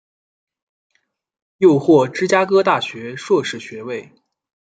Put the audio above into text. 又获芝加哥大学硕士学位。